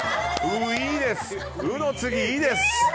「う」の次「い」です。